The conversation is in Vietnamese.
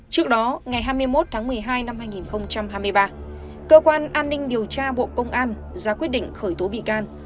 trước đó ngày hai mươi một tháng một mươi hai năm hai nghìn hai mươi ba cơ quan an ninh điều tra bộ công an ra quyết định khởi tố bị can